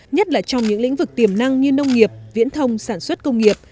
nhất là trong những lĩnh vực tiềm năng như nông nghiệp viễn thông sản xuất công nghiệp